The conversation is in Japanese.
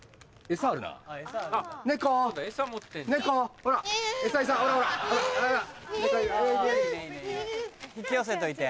餌餌ほら。引き寄せといて。